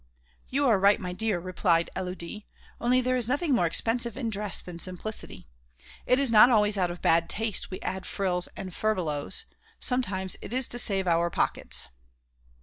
"You are right, my dear," replied Élodie. "Only there is nothing more expensive in dress than simplicity. It is not always out of bad taste we add frills and furbelows; sometimes it is to save our pockets."